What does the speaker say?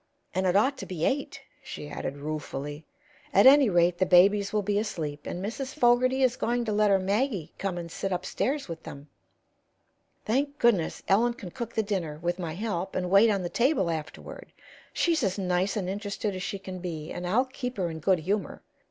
"And it ought to be eight," she added, ruefully. "At any rate, the babies will be asleep, and Mrs. Fogarty is going to let her Maggie come and sit upstairs with them. Thank goodness, Ellen can cook the dinner, with my help, and wait on the table afterward. She's as nice and interested as she can be, and I'll keep her in good humor.